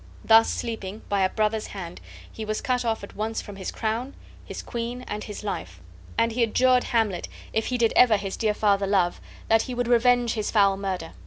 Thus sleeping, by a brother's hand he was cut off at once from his crown, his queen, and his life; and he adjured Hamlet, if he did ever his dear father love, that he would revenge his foul murder.